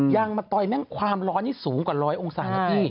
ยางมะตอยแม่งความร้อนนี่สูงกว่าร้อยองศานะพี่